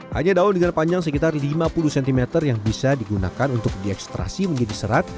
hanya daun dengan panjang sekitar lima puluh cm yang bisa digunakan untuk diekstrasi menjadi serat